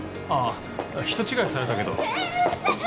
あ人違いされたけど。